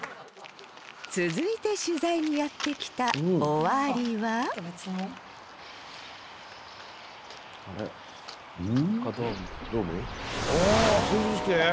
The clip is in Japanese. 続いて取材にやって来た「終わり」はああ成人式？